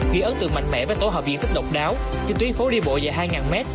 ghi ấn tượng mạnh mẽ với tổ hợp diện tích độc đáo cho tuyến phố đi bộ dài hai m